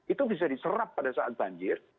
itu bisa diserap pada saat banjir